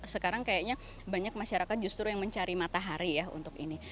sekarang kayaknya banyak masyarakat justru yang mencari matahari ya untuk ini